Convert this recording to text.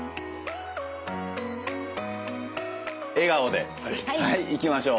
笑顔ではいいきましょう。